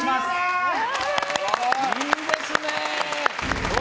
いいですね。